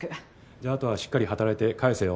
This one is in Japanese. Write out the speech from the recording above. じゃあ後はしっかり働いて返せよ。